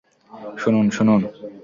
শুনুন, শুনুন।